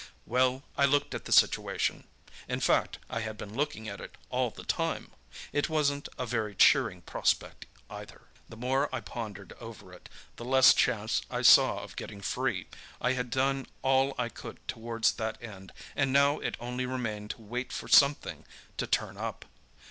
"Well, I looked at the situation—in fact, I had been looking at it all the time. It wasn't a very cheering prospect, either. The more I pondered over it, the less chance I saw of getting free. I had done all I could towards that end; now it only remained to wait for something to 'turn up.